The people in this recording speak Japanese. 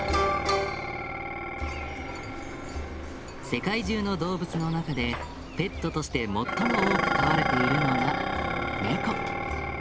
世界中の動物の中でペットとして最も多く飼われているのがネコ。